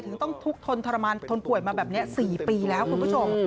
ต้องทุกข์ทนทรมานทนป่วยมาแบบนี้๔ปีแล้วคุณผู้ชม